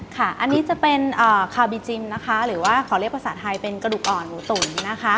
ค่ะอันนี้จะเป็นคาร์บีจิมนะคะหรือว่าขอเรียกภาษาไทยเป็นกระดูกอ่อนหมูตุ๋นนะคะ